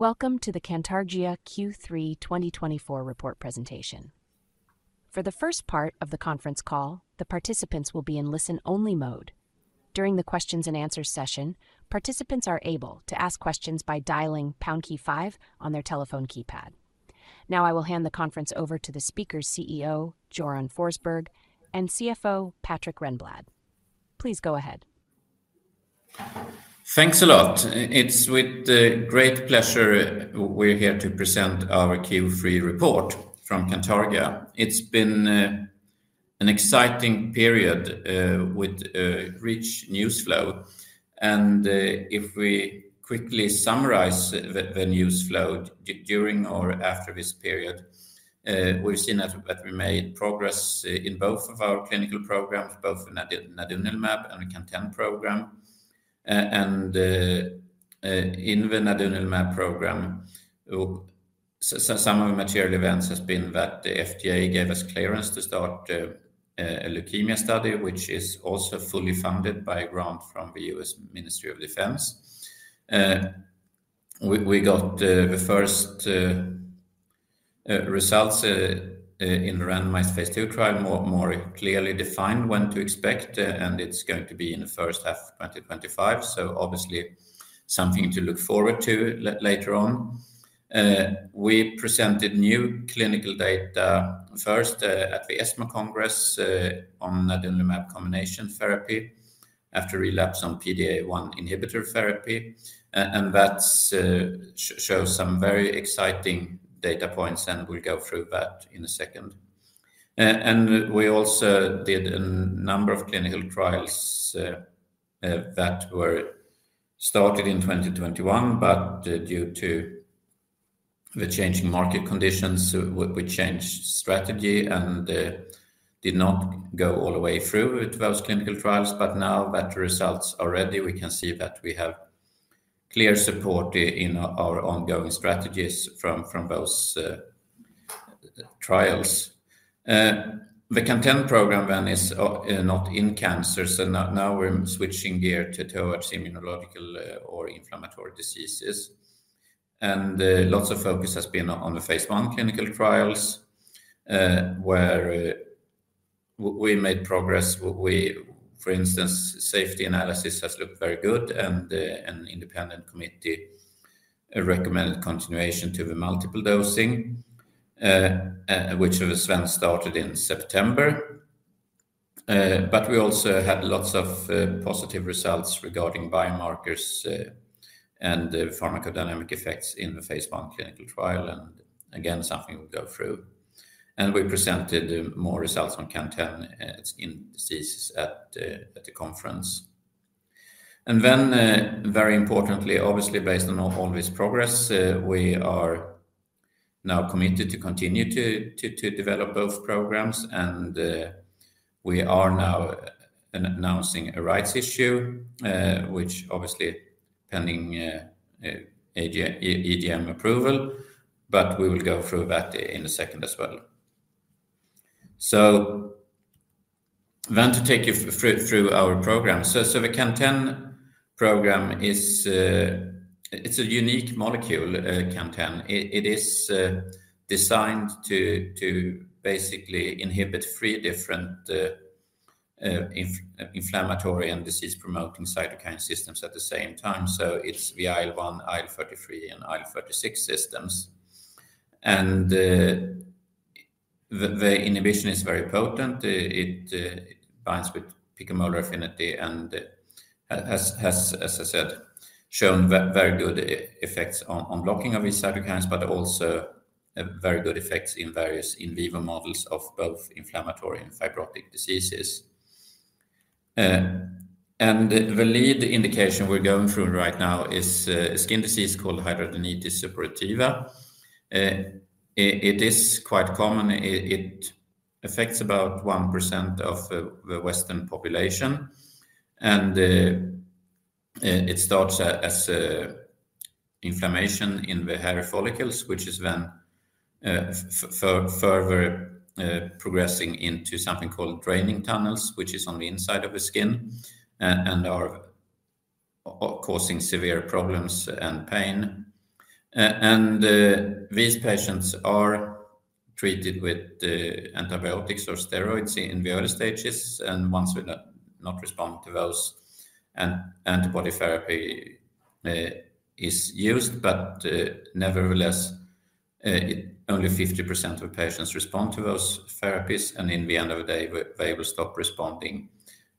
Welcome to the Cantargia Q3 2024 Report Presentation. For the first part of the conference call, the participants will be in listen-only mode. During the Q&A session, participants are able to ask questions by dialing pound key five on their telephone keypad. Now I will hand the conference over to the speakers, CEO Göran Forsberg, and CFO Patrik Renblad. Please go ahead. Thanks a lot. It's with great pleasure we're here to present our Q3 report from Cantargia. It's been an exciting period with rich news flow. And if we quickly summarize the news flow during or after this period, we've seen that we made progress in both of our clinical programs, both in the nadunolimab and the CAN10 program. And in the nadunolimab program, some of the material events have been that the FDA gave us clearance to start a Leukemia study, which is also fully funded by a grant from the U.S. Department of Defense. We got the first results in the randomized phase II trial, more clearly defined when to expect, and it's going to be in the first half of 2025, so obviously something to look forward to later on. We presented new clinical data first at the ESMO Congress on nadunolimab combination therapy after relapse on PD-1 inhibitor therapy, and that shows some very exciting data points, and we'll go through that in a second. And we also did a number of clinical trials that were started in 2021, but due to the changing market conditions, we changed strategy and did not go all the way through with those clinical trials. But now that the results are ready, we can see that we have clear support in our ongoing strategies from those trials. The CAN10 program then is not in cancer, so now we're switching gear towards immunological or inflammatory diseases. And lots of focus has been on the phase I clinical trials, where we made progress. For instance, safety analysis has looked very good, and an independent committee recommended continuation to the multiple dosing, which of the sence started in September, but we also had lots of positive results regarding biomarkers and pharmacodynamic effects in the phase I clinical trial, and again, something we'll go through, and we presented more results on CAN10 in diseases at the conference, and then, very importantly, obviously based on all this progress, we are now committed to continue to develop both programs, and we are now announcing a rights issue, which obviously is pending EGM approval, but we will go through that in a second as well, so then to take you through our program, so the CAN10 program is a unique molecule, CAN10. It is designed to basically inhibit three different inflammatory and disease-promoting cytokine systems at the same time, so it's the IL-1, IL-33, and IL-36 systems. The inhibition is very potent. It binds with picomolar affinity and has, as I said, shown very good effects on blocking of these cytokines, but also very good effects in various in vivo models of both inflammatory and fibrotic diseases. The lead indication we're going through right now is a skin disease called hidradenitis suppurativa. It is quite common. It affects about 1% of the Western population, and it starts as inflammation in the hair follicles, which is then further progressing into something called draining tunnels, which is on the inside of the skin and are causing severe problems and pain. These patients are treated with antibiotics or steroids in the early stages, and once they do not respond to those, antibody therapy is used, but nevertheless, only 50% of patients respond to those therapies, and at the end of the day, they will stop responding,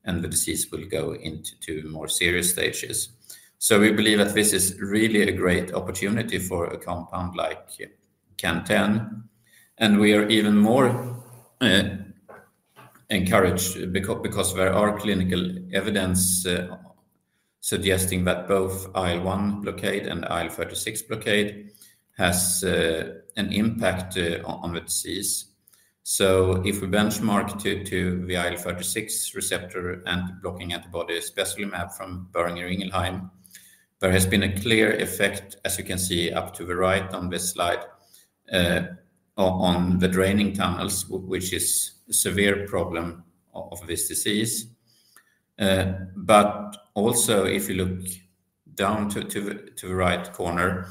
and the disease will go into more serious stages. We believe that this is really a great opportunity for a compound like CAN10, and we are even more encouraged because there are clinical evidence suggesting that both IL-1 blockade and IL-36 blockade have an impact on the disease. If we benchmark to the IL-36 receptor and blocking antibody spesolimab from Boehringer Ingelheim, there has been a clear effect, as you can see up to the right on this slide, on the draining tunnels, which is a severe problem of this disease. But also, if you look down to the right corner,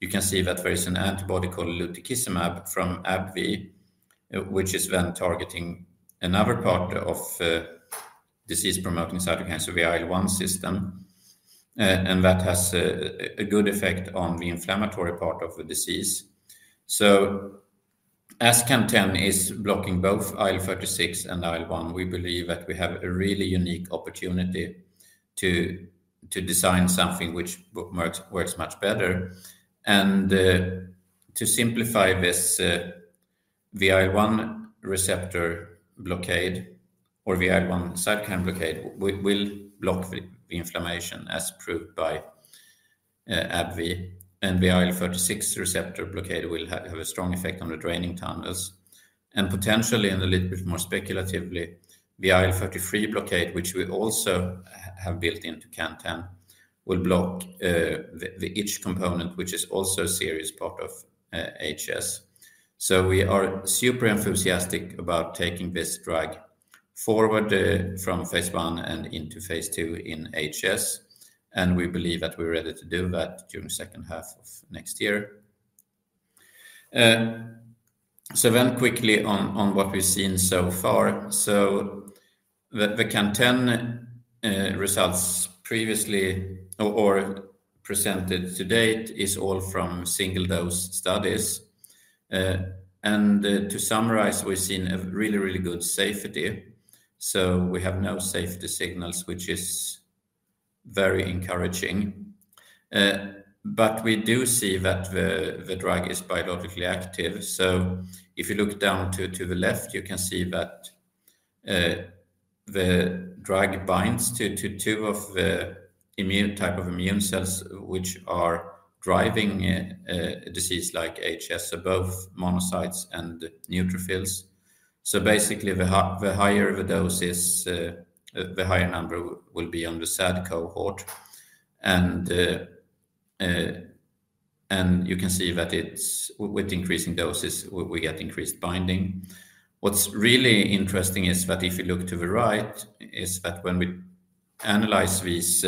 you can see that there is an antibody called lutekizumab from AbbVie, which is then targeting another part of disease-promoting cytokines of the IL-1 system, and that has a good effect on the inflammatory part of the disease. So, as CAN10 is blocking both IL-36 and IL-1, we believe that we have a really unique opportunity to design something which works much better. And to simplify this, the IL-1 receptor blockade or the IL-1 cytokine blockade will block the inflammation, as proved by AbbVie, and the IL-36 receptor blockade will have a strong effect on the draining tunnels. And potentially, and a little bit more speculatively, the IL-33 blockade, which we also have built into CAN10, will block each component, which is also a serious part of HS. We are super enthusiastic about taking this drug forward from phase I and into phase II in HS, and we believe that we're ready to do that during the second half of next year. Then quickly on what we've seen so far. The CAN10 results previously, or presented to date are all from single-dose studies. To summarize, we've seen a really, really good safety, so we have no safety signals, which is very encouraging. But we do see that the drug is biologically active, so if you look down to the left, you can see that the drug binds to two of the type of immune cells which are driving disease-like HS, so both monocytes and neutrophils. Basically, the higher the doses, the higher number will be on the SAD cohort, and you can see that with increasing doses, we get increased binding. What's really interesting is that if you look to the right, when we analyze these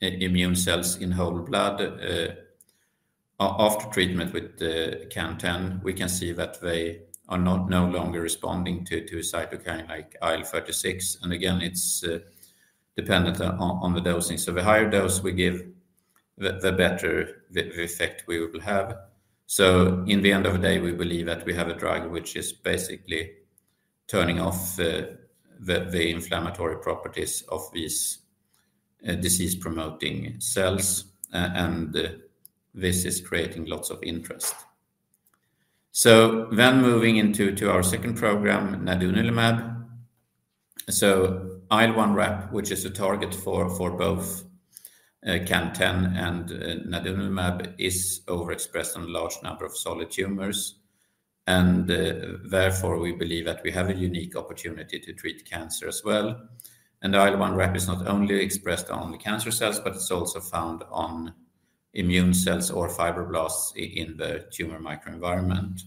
immune cells in whole blood after treatment with CAN10, we can see that they are no longer responding to cytokine like IL-36, and again, it's dependent on the dosing. So the higher dose we give, the better the effect we will have. So in the end of the day, we believe that we have a drug which is basically turning off the inflammatory properties of these disease-promoting cells, and this is creating lots of interest. So then moving into our second program, nadunolimab. So IL-1RAP, which is a target for both CAN10 and nadunolimab, is overexpressed on a large number of solid tumors, and therefore we believe that we have a unique opportunity to treat cancer as well. The IL-1RAP is not only expressed on cancer cells, but it's also found on immune cells or fibroblasts in the tumor microenvironment.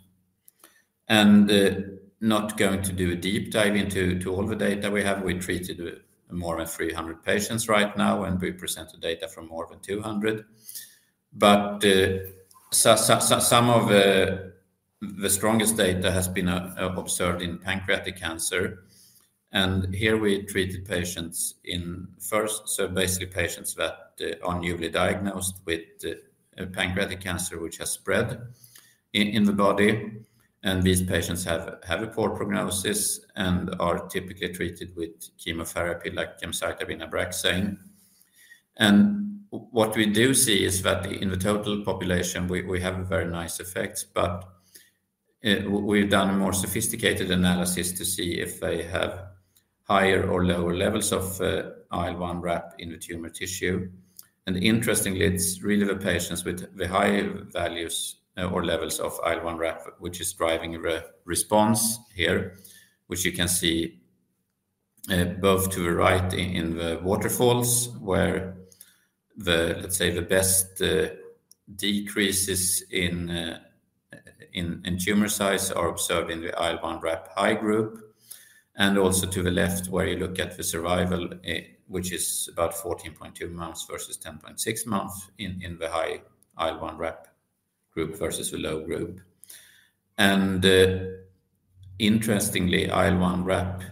And not going to do a deep dive into all the data we have, we treated more than 300 patients right now, and we presented data from more than 200. But some of the strongest data has been observed in pancreatic cancer, and here we treated patients in first line, so basically patients that are newly diagnosed with pancreatic cancer which has spread in the body, and these patients have a poor prognosis and are typically treated with chemotherapy like gemcitabine and Abraxane. And what we do see is that in the total population, we have a very nice effect, but we've done a more sophisticated analysis to see if they have higher or lower levels of IL-1RAP in the tumor tissue. And interestingly, it's really the patients with the high values or levels of IL-1RAP which is driving the response here, which you can see both to the right in the waterfalls where, let's say, the best decreases in tumor size are observed in the IL-1RAP high group, and also to the left where you look at the survival, which is about 14.2 months versus 10.6 months in the high IL-1RAP group versus the low group. And interestingly, IL-1RAP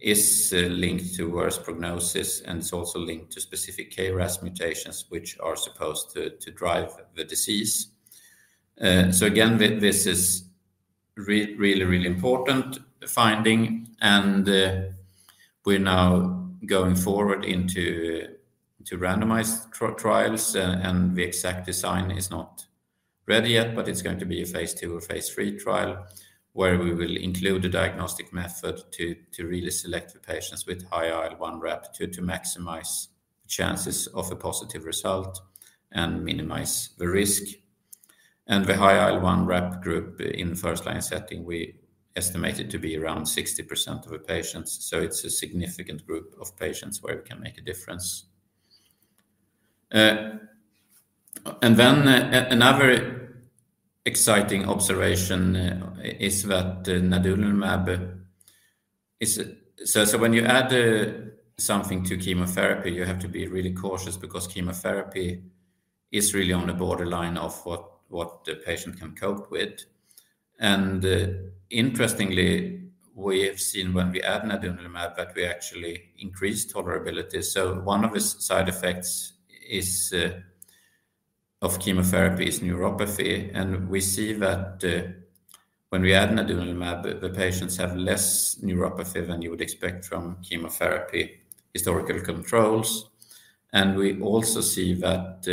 is linked to worse prognosis, and it's also linked to specific KRAS mutations which are supposed to drive the disease. So again, this is really, really important finding, and we're now going forward into randomized trials, and the exact design is not ready yet, but it's going to be a phase II or phase III trial where we will include a diagnostic method to really select the patients with high IL-1RAP to maximize chances of a positive result and minimize the risk. And the high IL-1RAP group in the first line setting, we estimate it to be around 60% of the patients, so it's a significant group of patients where we can make a difference. And then another exciting observation is that nadunolimab is, so when you add something to chemotherapy, you have to be really cautious because chemotherapy is really on the borderline of what the patient can cope with. Interestingly, we have seen when we add nadunolimab that we actually increase tolerability, so one of the side effects of chemotherapy is neuropathy, and we see that when we add nadunolimab, the patients have less neuropathy than you would expect from chemotherapy historical controls. We also see that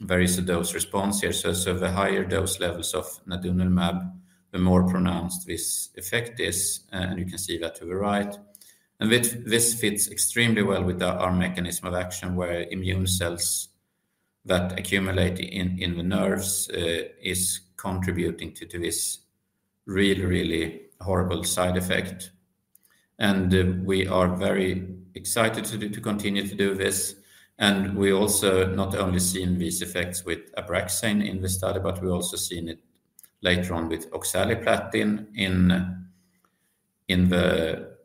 there is a dose response here, so the higher dose levels of nadunolimab, the more pronounced this effect is, and you can see that to the right. This fits extremely well with our mechanism of action where immune cells that accumulate in the nerves are contributing to this really, really horrible side effect. And we are very excited to continue to do this, and we also not only seen these effects with Abraxane in this study, but we also seen it later on with oxaliplatin in the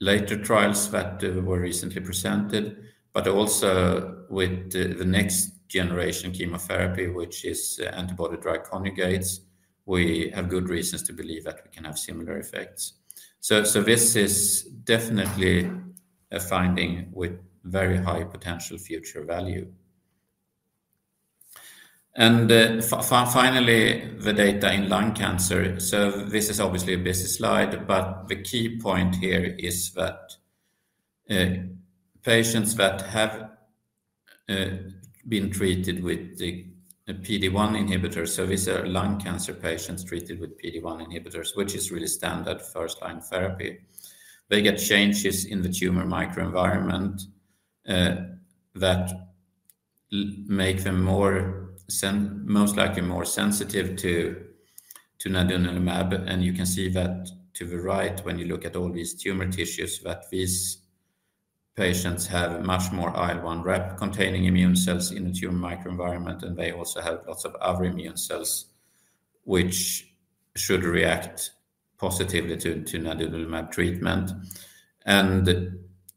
later trials that were recently presented, but also with the next generation chemotherapy, which is antibody-drug conjugates, we have good reasons to believe that we can have similar effects, so this is definitely a finding with very high potential future value. Finally, the data in lung cancer, so this is obviously a busy slide, but the key point here is that patients that have been treated with the PD-1 inhibitor, so these are lung cancer patients treated with PD-1 inhibitors, which is really standard first-line therapy, they get changes in the tumor microenvironment that make them most likely more sensitive to nadunolimab, and you can see that to the right when you look at all these tumor tissues that these patients have much more IL-1RAP-containing immune cells in the tumor microenvironment, and they also have lots of other immune cells which should react positively to nadunolimab treatment.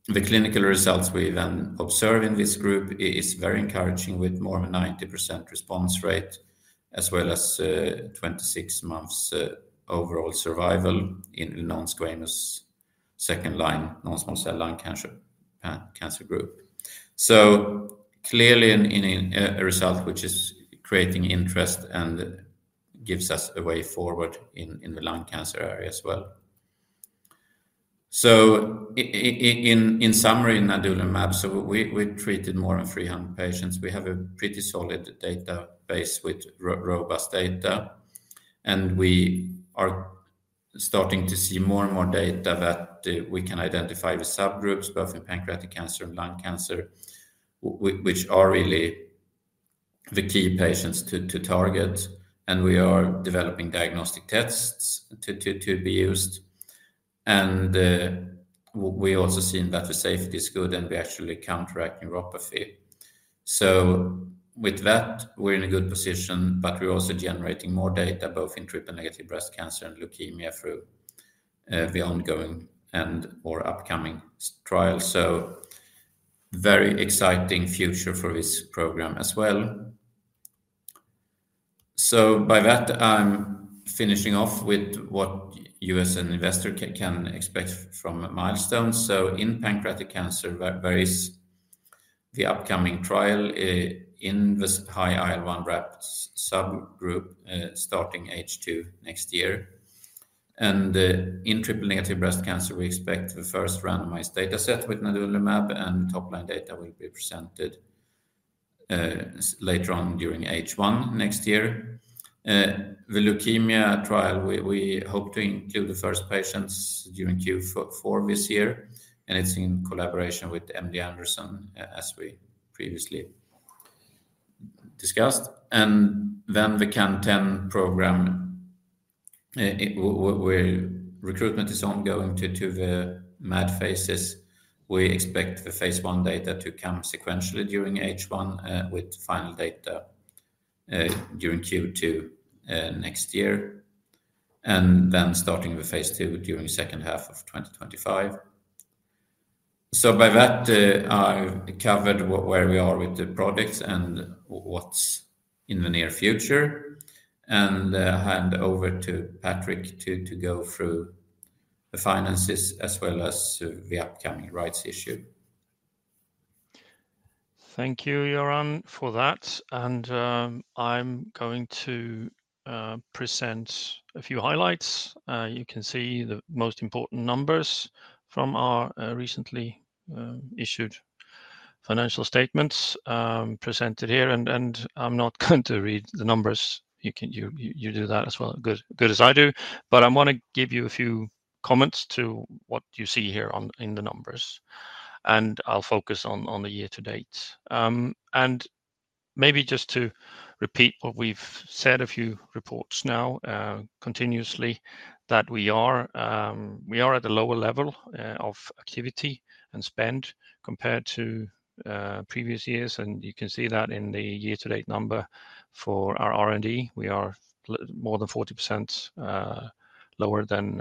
The clinical results we then observe in this group are very encouraging with more than 90% response rate, as well as 26 months overall survival in non-squamous second-line non-small cell lung cancer group. So clearly a result which is creating interest and gives us a way forward in the lung cancer area as well. So in summary, nadunolimab, so we treated more than 300 patients, we have a pretty solid database with robust data, and we are starting to see more and more data that we can identify with subgroups, both in pancreatic cancer and lung cancer, which are really the key patients to target, and we are developing diagnostic tests to be used. And we also seen that the safety is good, and we actually counteract neuropathy. So with that, we're in a good position, but we're also generating more data both in triple-negative breast cancer and leukemia through the ongoing and/or upcoming trials. So very exciting future for this program as well. So by that, I'm finishing off with what you as an investor can expect from milestones. So, in pancreatic cancer, there is the upcoming trial in the high IL-1RAP subgroup starting H2 next year. And in triple-negative breast cancer, we expect the first randomized data set with nadunolimab, and top-line data will be presented later on during H1 next year. The leukemia trial, we hope to include the first patients during Q4 this year, and it's in collaboration with MD Anderson, as we previously discussed. And then the CAN10 program, where recruitment is ongoing to the MAD phases, we expect the phase I data to come sequentially during H1 with final data during Q2 next year, and then starting with phase II during the second half of 2025. So by that, I've covered where we are with the projects and what's in the near future, and I hand over to Patrik to go through the finances as well as the upcoming rights issue. Thank you, Göran, for that, and I'm going to present a few highlights. You can see the most important numbers from our recently issued financial statements presented here, and I'm not going to read the numbers. You do that as well as I do, but I want to give you a few comments to what you see here in the numbers, and I'll focus on the year-to-date. Maybe just to repeat what we've said a few reports now continuously, that we are at a lower level of activity and spend compared to previous years, and you can see that in the year-to-date number for our R&D. We are more than 40% lower than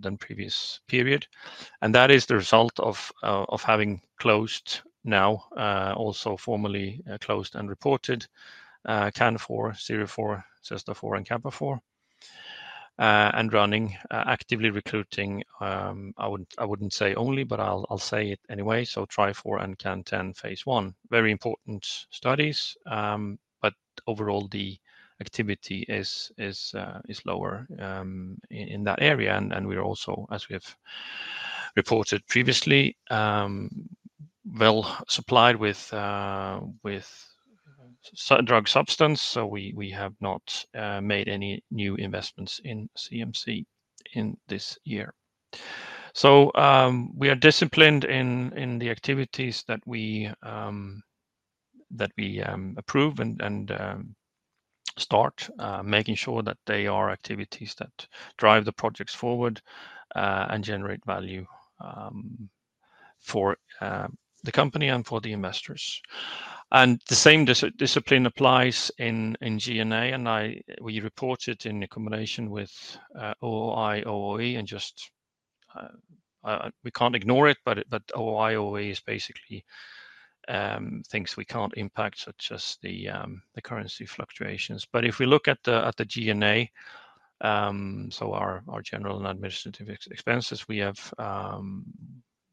the previous period, and that is the result of having closed now, also formally closed and reported CANFOUR, CIRIFOUR, CESTAFOUR, and CAPAFOUR, and running actively recruiting. I wouldn't say only, but I'll say it anyway, so TRIFOUR and CAN10 phase I, very important studies, but overall the activity is lower in that area, and we're also, as we have reported previously, well supplied with drug substance, so we have not made any new investments in CMC in this year, so we are disciplined in the activities that we approve and start, making sure that they are activities that drive the projects forward and generate value for the company and for the investors, and the same discipline applies in G&A, and we report it in combination with OOI, OOE, and just we can't ignore it, but OOI, OOE is basically things we can't impact, such as the currency fluctuations. But if we look at the G&A, so our general and administrative expenses, we have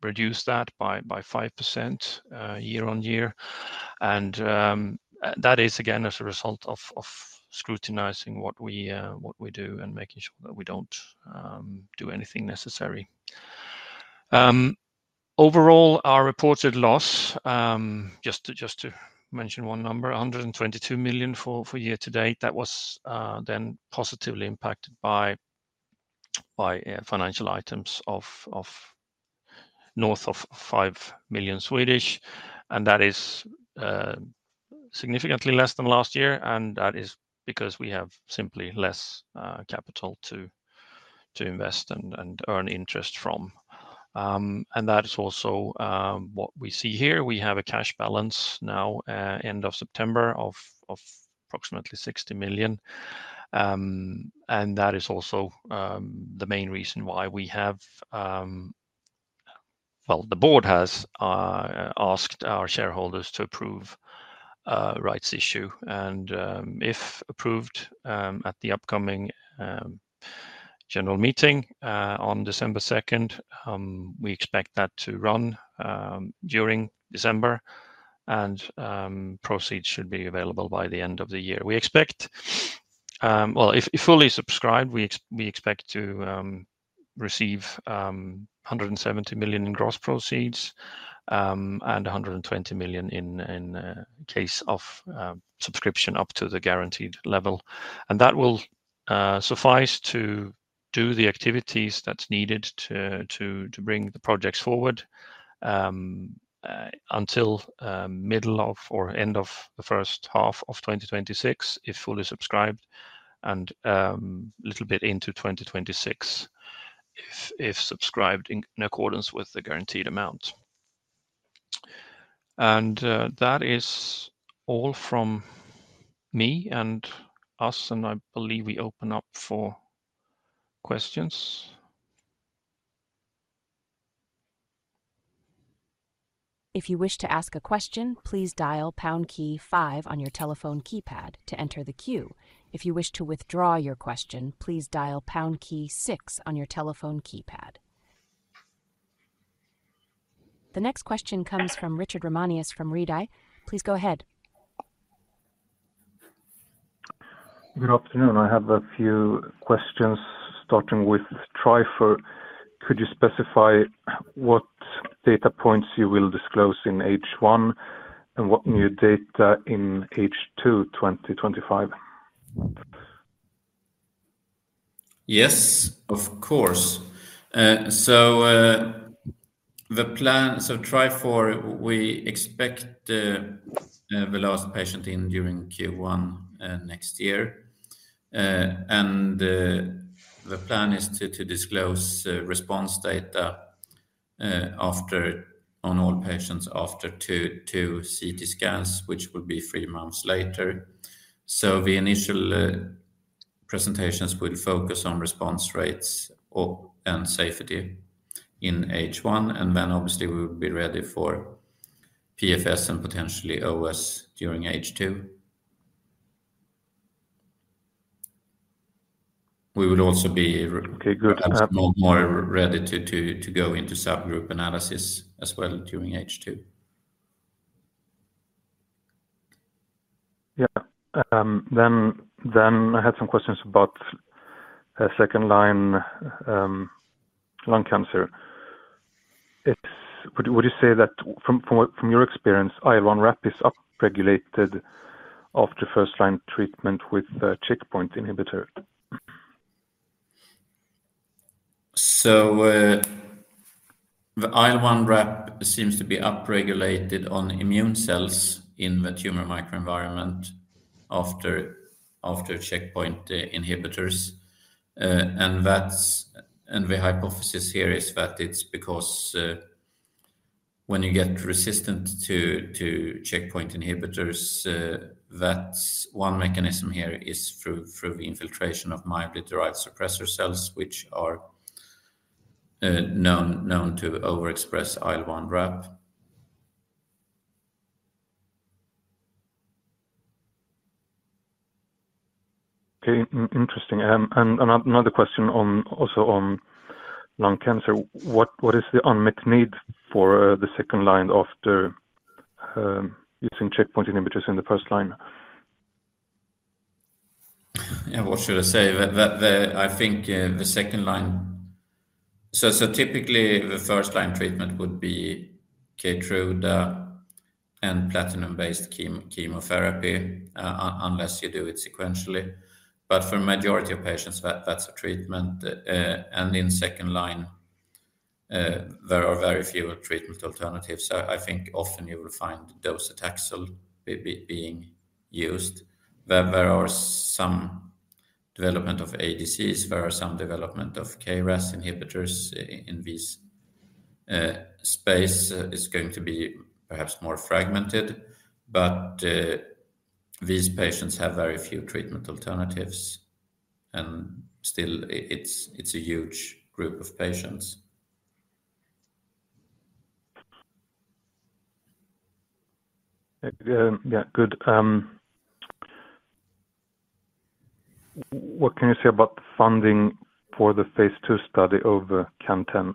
reduced that by 5% year-on-year, and that is again as a result of scrutinizing what we do and making sure that we don't do anything necessary. Overall, our reported loss, just to mention one number, 122 million for year-to-date, that was then positively impacted by financial items of north of 5 million, and that is significantly less than last year, and that is because we have simply less capital to invest and earn interest from. And that is also what we see here. We have a cash balance now, end of September, of approximately 60 million, and that is also the main reason why we have, well, the board has asked our shareholders to approve rights issue, and if approved at the upcoming general meeting on December 2nd, we expect that to run during December, and proceeds should be available by the end of the year. We expect, well, if fully subscribed, we expect to receive 170 million in gross proceeds and 120 million in case of subscription up to the guaranteed level, and that will suffice to do the activities that's needed to bring the projects forward until middle of or end of the first half of 2026 if fully subscribed, and a little bit into 2026 if subscribed in accordance with the guaranteed amount. That is all from me and us, and I believe we open up for questions. If you wish to ask a question, please dial pound key five on your telephone keypad to enter the queue. If you wish to withdraw your question, please dial pound key six on your telephone keypad. The next question comes from Richard Ramanius from Redeye. Please go ahead. Good afternoon. I have a few questions starting with TRIFOUR. Could you specify what data points you will disclose in H1 and what new data in H2 2025? Yes, of course. So TRIFOUR, we expect the last patient in during Q1 next year, and the plan is to disclose response data on all patients after two CT scans, which will be three months later. So the initial presentations will focus on response rates and safety in H1, and then obviously, we will be ready for PFS and potentially OS during H2. We will also be a little more ready to go into subgroup analysis as well during H2. Yeah. Then I had some questions about second-line lung cancer. Would you say that from your experience, IL-1RAP is upregulated after first-line treatment with checkpoint inhibitor? The IL-1RAP seems to be upregulated on immune cells in the tumor microenvironment after checkpoint inhibitors, and the hypothesis here is that it's because when you get resistant to checkpoint inhibitors, that's one mechanism here is through the infiltration of myeloid-derived suppressor cells, which are known to overexpress IL-1RAP. Okay. Interesting. And another question also on lung cancer. What is the unmet need for the second-line after using checkpoint inhibitors in the first-line? Yeah, what should I say? I think the second-line, so typically the first-line treatment would be Keytruda and platinum-based chemotherapy, unless you do it sequentially. But for the majority of patients, that's a treatment, and in second-line, there are very few treatment alternatives. I think often you will find docetaxel being used. There are some development of ADCs, there are some development of KRAS inhibitors in this space. It's going to be perhaps more fragmented, but these patients have very few treatment alternatives, and still it's a huge group of patients. Yeah, good. What can you say about the funding for the phase II study of CAN10?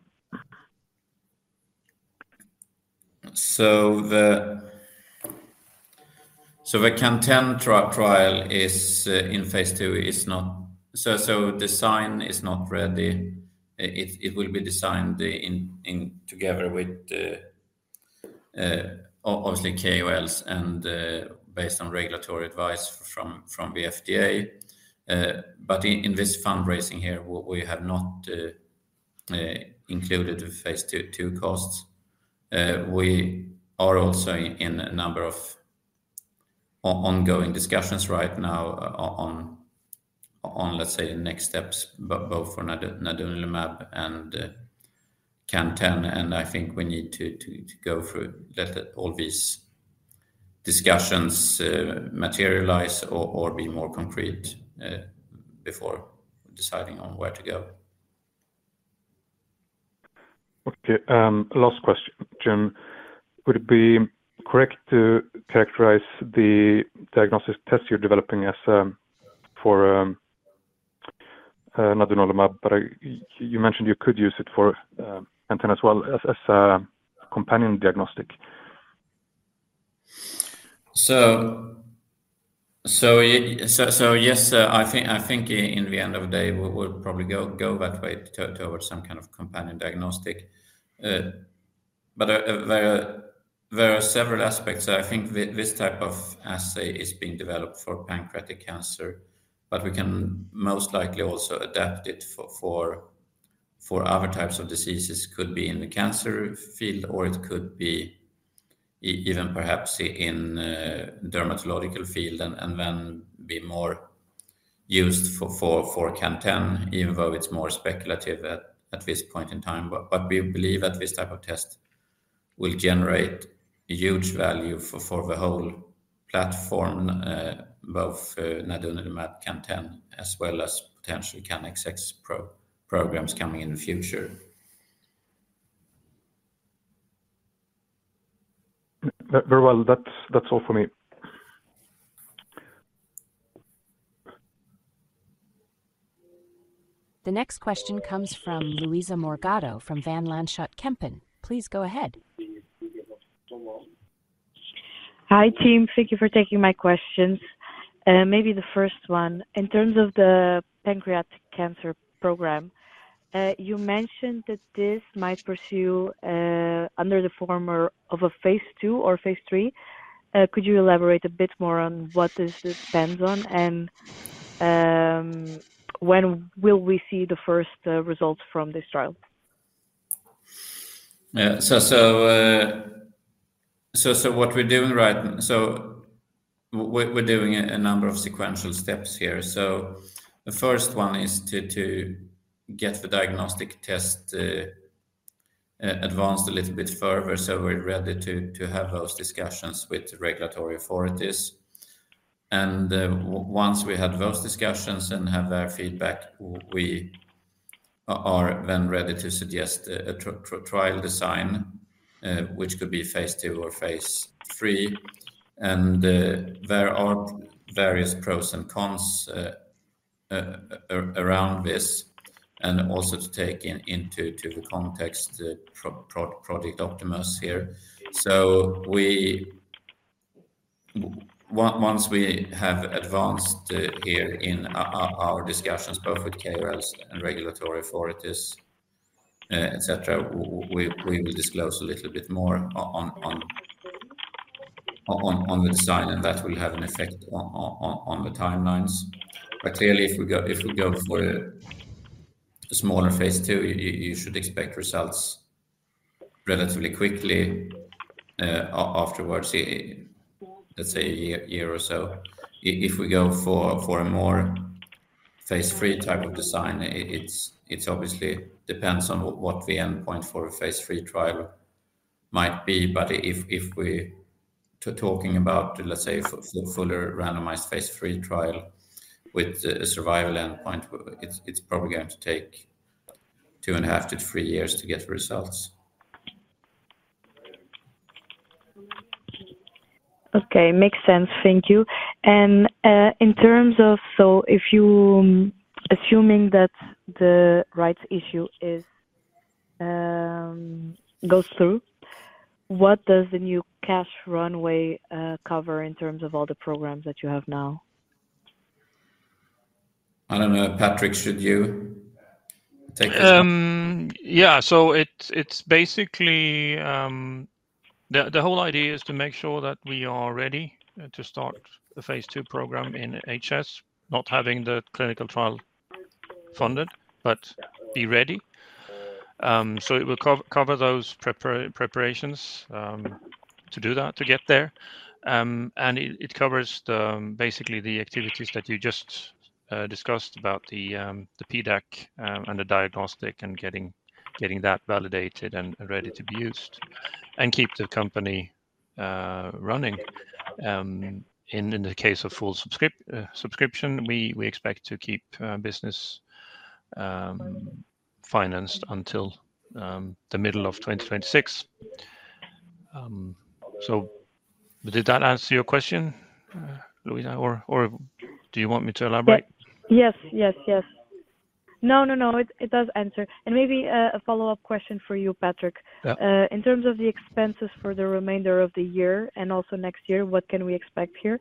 So the CAN10 trial in phase II is not, so the design is not ready. It will be designed together with, obviously, KOLs, and based on regulatory advice from the FDA. But in this fundraising here, we have not included the phase II costs. We are also in a number of ongoing discussions right now on, let's say, the next steps, both for nadunolimab and CAN10, and I think we need to go through, let all these discussions materialize or be more concrete before deciding on where to go. Okay. Last question, Jim. Would it be correct to characterize the diagnostic test you're developing for nadunolimab, but you mentioned you could use it for CAN10 as well as a companion diagnostic? So yes, I think in the end of the day, we'll probably go that way towards some kind of companion diagnostic, but there are several aspects. I think this type of assay is being developed for pancreatic cancer, but we can most likely also adapt it for other types of diseases. It could be in the cancer field, or it could be even perhaps in the dermatological field, and then be more used for CAN10, even though it's more speculative at this point in time. But we believe that this type of test will generate huge value for the whole platform, both nadunolimab, CAN10, as well as potentially CANXX programs coming in the future. Very well. That's all for me. The next question comes from Luísa Morgado from Van Lanschot Kempen. Please go ahead. Hi, team. Thank you for taking my questions. Maybe the first one. In terms of the pancreatic cancer program, you mentioned that this might pursue under the form of a phase II or phase III. Could you elaborate a bit more on what this depends on, and when will we see the first results from this trial? What we're doing right now is doing a number of sequential steps here. The first one is to get the diagnostic test advanced a little bit further, so we're ready to have those discussions with regulatory authorities. Once we have those discussions and have their feedback, we are then ready to suggest a trial design, which could be phase II or phase III. There are various pros and cons around this, and also to take into the context of Project Optimus here. Once we have advanced here in our discussions, both with KOLs and regulatory authorities, etc., we will disclose a little bit more on the design, and that will have an effect on the timelines. Clearly, if we go for a smaller phase II, you should expect results relatively quickly afterwards, let's say a year or so. If we go for a more phase III type of design, it obviously depends on what the endpoint for a phase III trial might be. But if we're talking about, let's say, a fully randomized phase III trial with a survival endpoint, it's probably going to take two and a half to three years to get results. Okay. Makes sense. Thank you. And in terms of, so if you're assuming that the rights issue goes through, what does the new cash runway cover in terms of all the programs that you have now? I don't know. Patrik, should you take this one? Yeah. So it's basically the whole idea is to make sure that we are ready to start a phase II program in HS, not having the clinical trial funded, but be ready. So it will cover those preparations to do that, to get there. And it covers basically the activities that you just discussed about the PDAC and the diagnostic and getting that validated and ready to be used and keep the company running. In the case of full subscription, we expect to keep business financed until the middle of 2026. So did that answer your question, Luísa, or do you want me to elaborate? Yes, yes, yes. No, no, no. It does answer. And maybe a follow-up question for you, Patrik. In terms of the expenses for the remainder of the year and also next year, what can we expect here?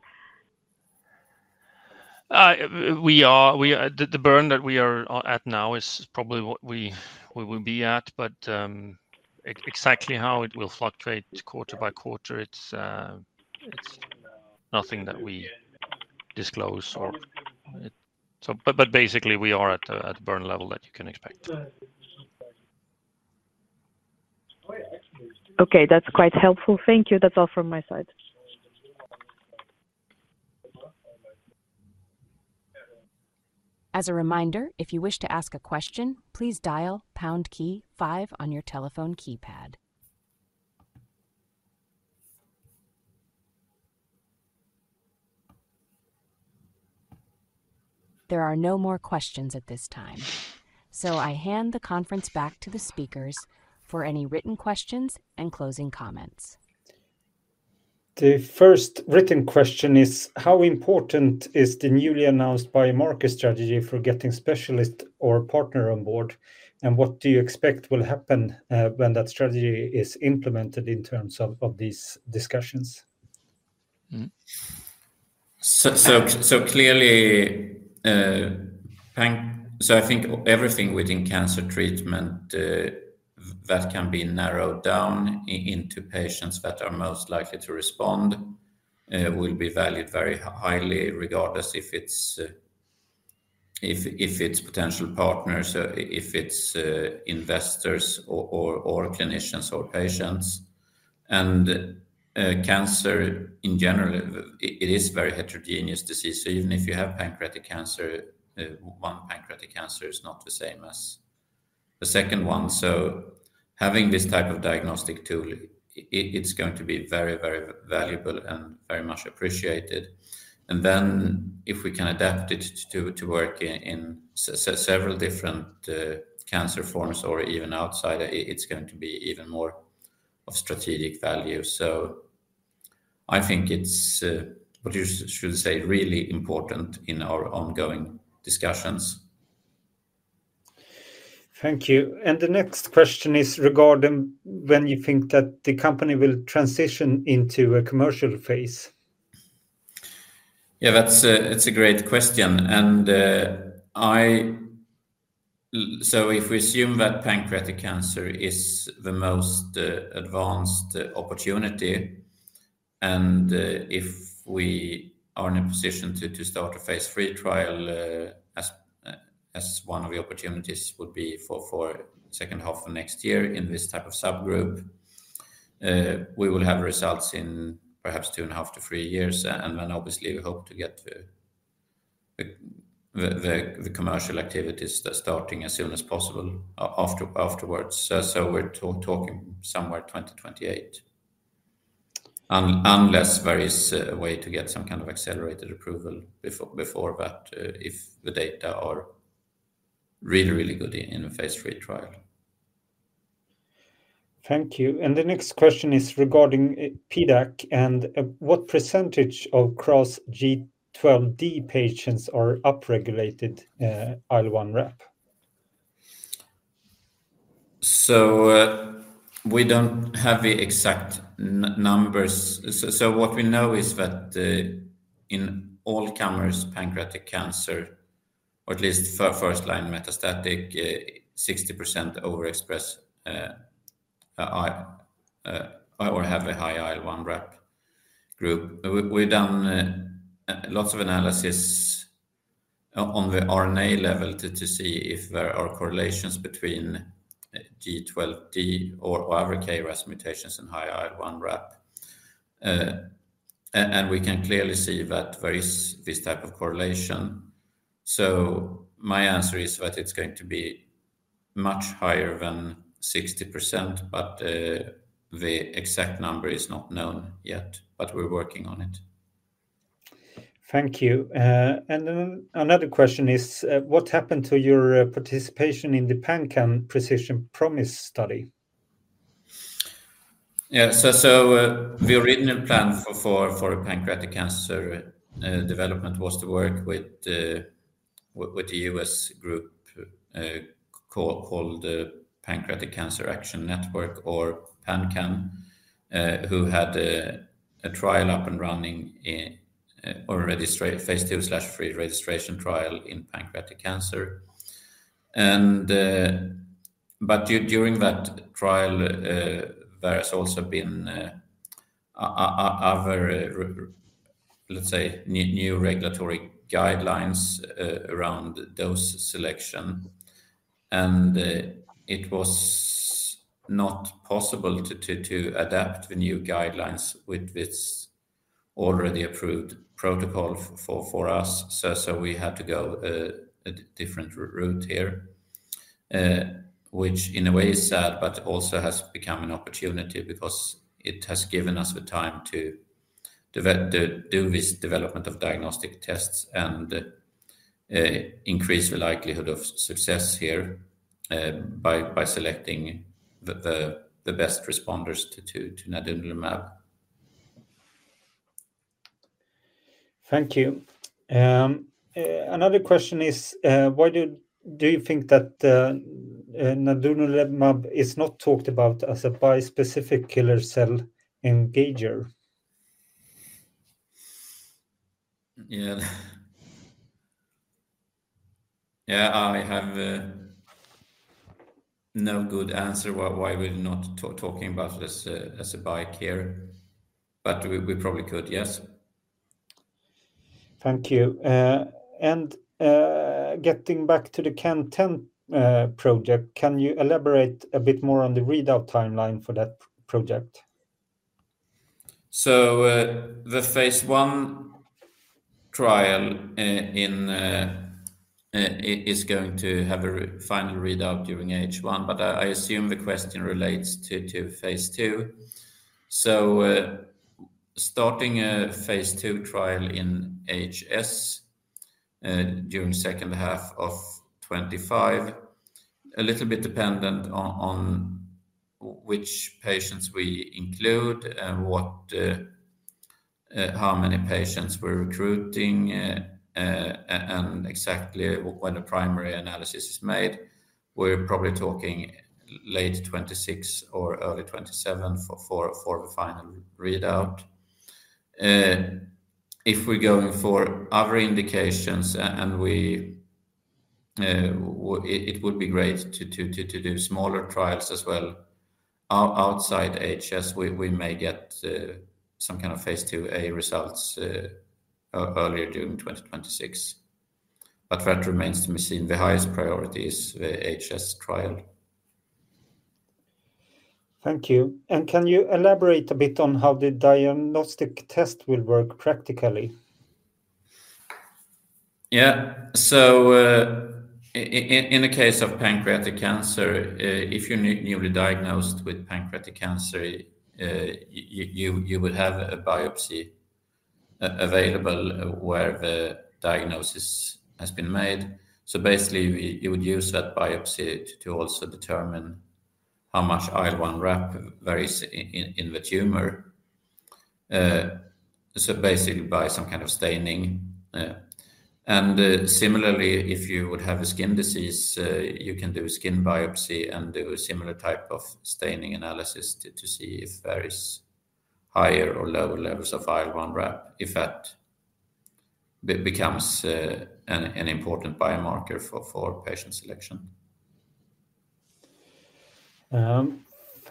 The burn that we are at now is probably what we will be at, but exactly how it will fluctuate quarter-by-quarter, it's nothing that we disclose. But basically, we are at the burn level that you can expect. Okay. That's quite helpful. Thank you. That's all from my side. As a reminder, if you wish to ask a question, please dial pound key five on your telephone keypad. There are no more questions at this time. So I hand the conference back to the speakers for any written questions and closing comments. The first written question is, how important is the newly announced biomarker strategy for getting specialists or a partner on board, and what do you expect will happen when that strategy is implemented in terms of these discussions? So clearly, I think everything within cancer treatment that can be narrowed down into patients that are most likely to respond will be valued very highly, regardless if it's potential partners, if it's investors or clinicians, or patients. And cancer, in general, it is a very heterogeneous disease. So even if you have pancreatic cancer, one pancreatic cancer is not the same as the second one. So having this type of diagnostic tool, it's going to be very, very valuable and very much appreciated. And then if we can adapt it to work in several different cancer forms or even outside, it's going to be even more of strategic value. So I think it's, what you should say, really important in our ongoing discussions. Thank you. And the next question is regarding when you think that the company will transition into a commercial phase. Yeah, that's a great question. So if we assume that pancreatic cancer is the most advanced opportunity, and if we are in a position to start a phase III trial as one of the opportunities would be for the second half of next year in this type of subgroup, we will have results in perhaps two and a half to three years. And then obviously, we hope to get the commercial activities starting as soon as possible afterwards. So we're talking somewhere in 2028, unless there is a way to get some kind of accelerated approval before that if the data are really, really good in a phase III trial. Thank you. The next question is regarding PDAC, and what percentage of KRAS G12D patients are upregulated IL-1RAP? We don't have the exact numbers. What we know is that in all comers, pancreatic cancer, or at least first-line metastatic, 60% overexpress or have a high IL-1RAP group. We've done lots of analysis on the RNA level to see if there are correlations between KRAS G12D or other KRAS mutations and high IL-1RAP. We can clearly see that there is this type of correlation. My answer is that it's going to be much higher than 60%, but the exact number is not known yet, but we're working on it. Thank you. And another question is, what happened to your participation in the PanCAN Precision Promise study? Yeah. So we originally planned for pancreatic cancer development was to work with the U.S. group called Pancreatic Cancer Action Network, or PanCAN, who had a trial up and running or phase II/III registration trial in pancreatic cancer. But during that trial, there has also been other, let's say, new regulatory guidelines around dose selection. And it was not possible to adapt the new guidelines with this already approved protocol for us. So we had to go a different route here, which in a way is sad, but also has become an opportunity because it has given us the time to do this development of diagnostic tests and increase the likelihood of success here by selecting the best responders to nadunolimab. Thank you. Another question is, why do you think that nadunolimab is not talked about as a bispecific killer cell engager? Yeah, I have no good answer why we're not talking about it as a BiKE here, but we probably could, yes. Thank you. And getting back to the CAN10 project, can you elaborate a bit more on the readout timeline for that project? The phase I trial is going to have a final readout during H1, but I assume the question relates to phase II. Starting a phase II trial in HS during the second half of 2025, a little bit dependent on which patients we include, how many patients we're recruiting, and exactly when the primary analysis is made. We're probably talking late 2026 or early 2027 for the final readout. If we're going for other indications, it would be great to do smaller trials as well outside HS. We may get some kind of phase II-A results earlier during 2026. But that remains to be seen. The highest priority is the HS trial. Thank you. And can you elaborate a bit on how the diagnostic test will work practically? Yeah. So in the case of pancreatic cancer, if you're newly diagnosed with pancreatic cancer, you would have a biopsy available where the diagnosis has been made. So basically, you would use that biopsy to also determine how much IL-1RAP varies in the tumor. So basically, by some kind of staining. And similarly, if you would have a skin disease, you can do a skin biopsy and do a similar type of staining analysis to see if there is higher or lower levels of IL-1RAP, if that becomes an important biomarker for patient selection.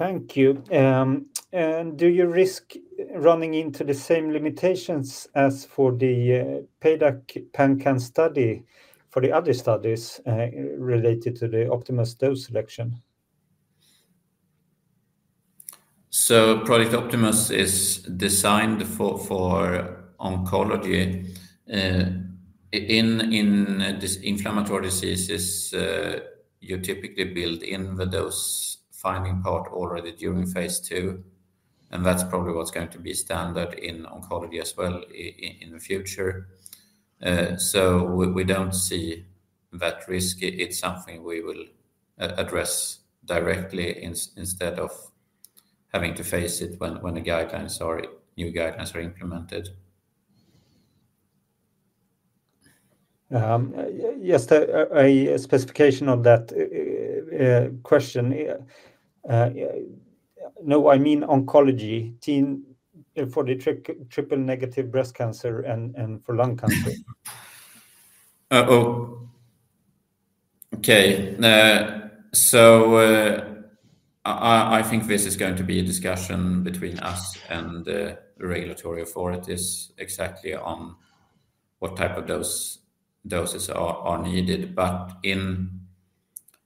Thank you, and do you risk running into the same limitations as for the PDAC PanCAN study for the other studies related to the Optimus dose selection? Project Optimus is designed for oncology. In inflammatory diseases, you typically build in the dose finding part already during phase II. And that's probably what's going to be standard in oncology as well in the future. So we don't see that risk. It's something we will address directly instead of having to face it when the new guidelines are implemented. Just a specification on that question. No, I mean oncology. Seen for the triple-negative breast cancer and for lung cancer? Okay. So I think this is going to be a discussion between us and the regulatory authorities exactly on what type of doses are needed. But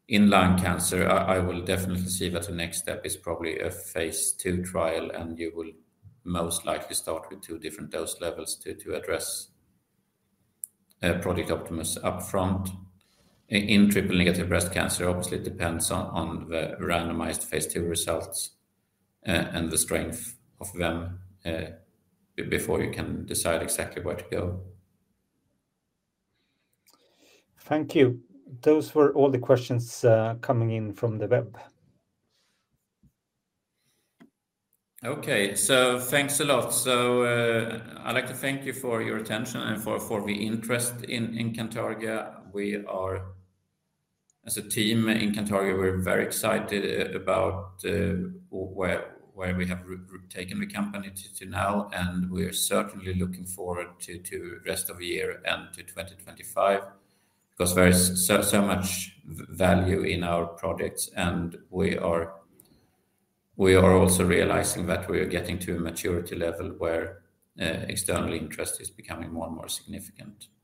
in lung cancer, I will definitely see that the next step is probably a phase II trial, and you will most likely start with two different dose levels to address Project Optimus upfront. In triple-negative breast cancer, obviously, it depends on the randomized phase II results and the strength of them before you can decide exactly where to go. Thank you. Those were all the questions coming in from the web. Okay. So thanks a lot. So I'd like to thank you for your attention and for the interest in Cantargia. As a team in Cantargia, we're very excited about where we have taken the company to now. And we're certainly looking forward to the rest of the year and to 2025 because there is so much value in our projects. And we are also realizing that we are getting to a maturity level where external interest is becoming more and more significant.